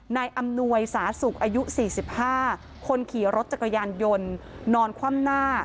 นายอำนวยสาสุกอายุสี่สิบห้าคนขี่รถจักรยานยนต์นอนคว่ำหน้า